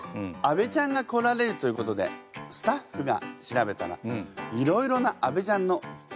安倍ちゃんが来られるということでスタッフが調べたらいろいろな安倍ちゃんの伝説が出てきたんです。